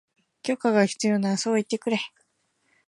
許可が必要ならそう言ってくれ